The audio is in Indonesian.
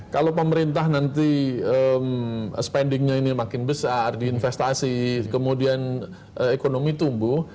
kalau pemerintah nanti spendingnya ini makin besar di investasi kemudian ekonomi tumbuh